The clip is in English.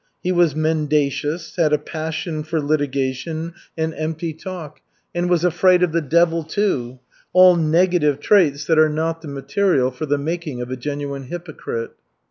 He was mendacious, had a passion for litigation and empty talk, and was afraid of the devil, too all negative traits that are not the material for the making of a genuine hypocrite.